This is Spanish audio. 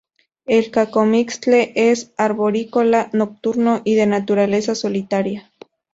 El cacomixtle es arborícola, nocturno y de naturaleza solitaria.